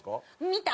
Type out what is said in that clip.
見た？